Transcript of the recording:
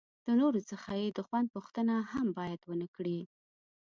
د نورو څخه یې د خوند پوښتنه هم باید ونه کړي.